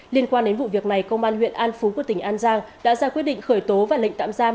liên quan đến vụ việc này công an huyện an phú của tỉnh an giang đã ra quyết định khởi tố và lệnh tạm giam